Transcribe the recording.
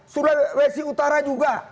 sudah wesi utara juga